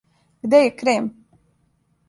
Где је крем?